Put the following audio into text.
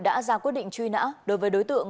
đã ra quyết định truy nã đối với đối tượng